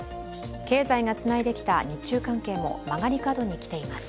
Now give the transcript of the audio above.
経済がつないできた日中関係も曲がり角にきています。